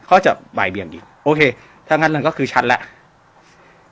เขาจะบ่ายเบี่ยงดีโอเคถ้างั้นเราก็คือชัดแล้ว